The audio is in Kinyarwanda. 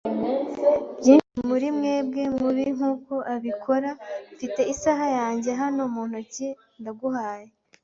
byinshi muri mwebwe mubi nkuko abikora. Mfite isaha yanjye hano mu ntoki; Ndaguhaye